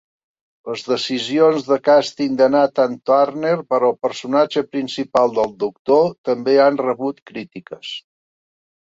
Les decisions de càsting de Nathan-Turner per al personatge principal del Doctor també han rebut crítiques.